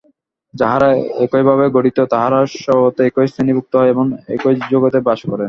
যাহারা একইভাবে গঠিত, তাহারা স্বভাবত একই শ্রেণীভুক্ত হয় এবং একই জগতে বাস করে।